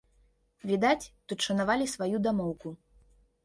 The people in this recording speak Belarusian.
Відаць, тут шанавалі сваю дамоўку.